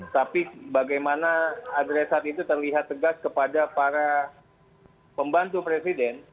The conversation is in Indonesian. tapi bagaimana adresat itu terlihat tegas kepada para pembantu presiden